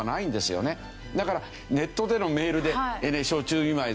だからネットでのメールで暑中見舞い